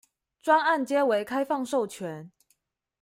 專案皆為開放授權